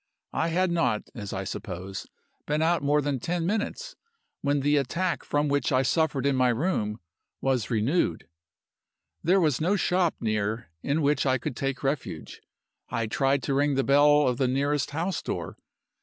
I had not, as I suppose, been out more than ten minutes when the attack from which I had suffered in my room was renewed. There was no shop near in which I could take refuge. I tried to ring the bell of the nearest house door.